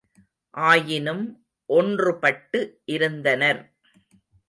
ஆயினும் ஒன்றுபட்டு இருந்தனர்.